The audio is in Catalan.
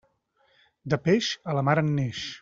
De peix, a la mar en neix.